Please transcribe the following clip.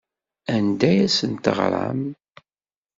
Anda ay asent-teɣram?